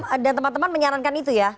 anda dan teman teman menyarankan itu ya